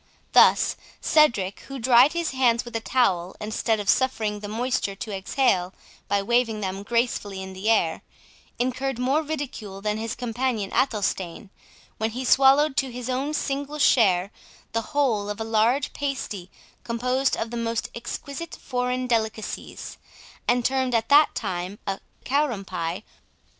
Thus Cedric, who dried his hands with a towel, instead of suffering the moisture to exhale by waving them gracefully in the air, incurred more ridicule than his companion Athelstane, when he swallowed to his own single share the whole of a large pasty composed of the most exquisite foreign delicacies, and termed at that time a "Karum Pie".